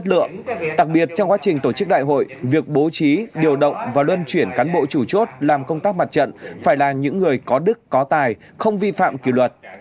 đặc biệt trong quá trình tổ chức đại hội việc bố trí điều động và luân chuyển cán bộ chủ chốt làm công tác mặt trận phải là những người có đức có tài không vi phạm kỷ luật